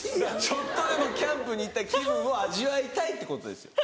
ちょっとでもキャンプに行った気分を味わいたいってことですよ。